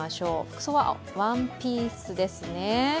服装はワンピースですね。